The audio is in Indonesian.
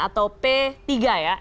atau p tiga ya